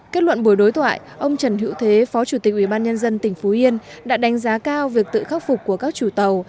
kết luận buổi đối thoại ông trần hữu thế phó chủ tịch ubnd tỉnh phú yên đã đánh giá cao việc tự khắc phục của các chủ tàu